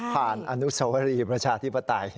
ผ่านอนุสาวรีประชาธิบตัย